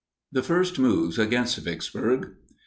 ] THE FIRST MOVES AGAINST VICKSBURG.